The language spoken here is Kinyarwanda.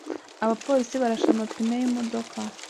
Abapolisi barashe amapine yimodoka.